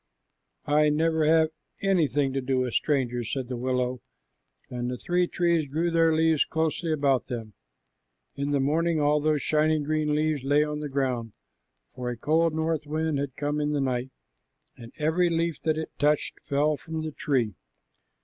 "I never have anything to do with strangers," said the willow, and the three trees drew their leaves closely about them. In the morning all those shining green leaves lay on the ground, for a cold north wind had come in the night, and every leaf that it touched fell from the tree.